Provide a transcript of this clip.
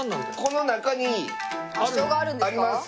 この中にあります。